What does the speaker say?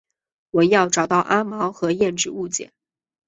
文耀找到阿毛和燕子误解。